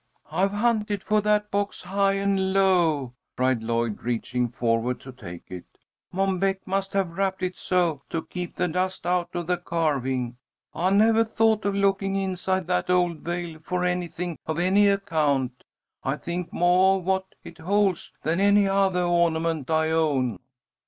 "I've hunted for that box high and low!" cried Lloyd, reaching forward to take it. "Mom Beck must have wrapped it so, to keep the dust out of the carving. I nevah thought of looking inside that old veil for anything of any account. I think moah of what it holds than any othah ornament I own."